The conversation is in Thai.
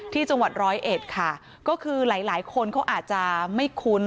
ที่จังหวัดร้อยเอ็ดค่ะก็คือหลายหลายคนเขาอาจจะไม่คุ้น